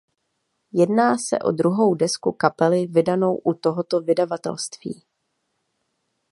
Jedná se o druhou desku kapely vydanou u tohoto vydavatelství.